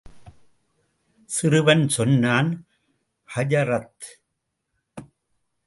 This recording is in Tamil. சிறுவன் சொன்னான், ஹஜரத்!